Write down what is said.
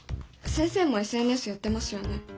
先生もＳＮＳやってますよね？